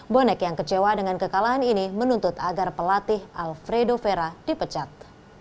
bonek yang kecewa dengan kekalahan ini menuntut agar pelatih alfredo vera dipecat